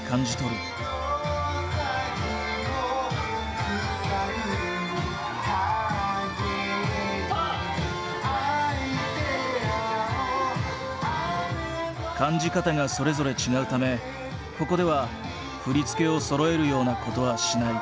「塞ぐ影にアイデアを」感じ方がそれぞれ違うためここでは振り付けをそろえるようなことはしない。